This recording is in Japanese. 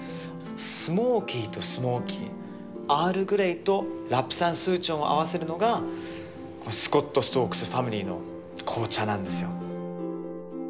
スモーキーとスモーキーアールグレイとラプサンスーチョンを合わせるのがスコット＝ストークス・ファミリーの紅茶なんですよ。